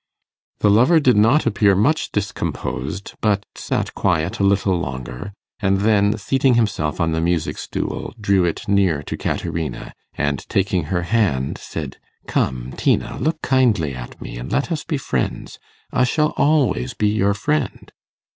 The lover did not appear much discomposed, but sat quiet a little longer, and then, seating himself on the music stool, drew it near to Caterina, and, taking her hand, said, 'Come, Tina, look kindly at me, and let us be friends. I shall always be your friend.